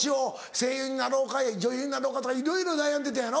声優になろうか女優になろうかとかいろいろ悩んでたんやろ？